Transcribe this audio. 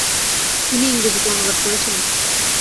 তিনি ইংরেজিতে অনুবাদ করেছিলেন।